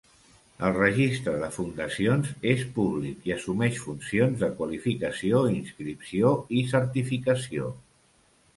El Registre de fundacions és públic i assumeix funcions de qualificació, inscripció i certificació.